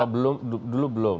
kalau dulu belum